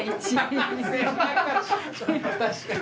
確かに。